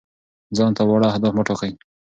ځان ته واړه اهداف وټاکئ.